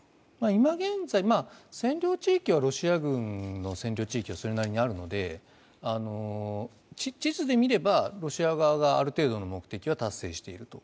今現在、ロシア軍の占領地域はそれなりにあるので地図で見れば、ロシア側がある程度の目的は達成していると。